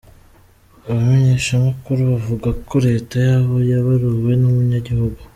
Abamenyeshamakuru bavuga ko leta yoba yaburiwe n'umunyagihugu.